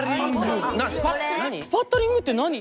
スパッタリングって何？